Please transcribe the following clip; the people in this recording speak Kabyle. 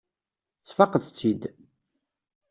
Tesfaqeḍ-tt-id.